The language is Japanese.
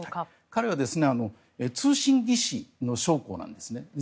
彼は通信技師の将校なんですね。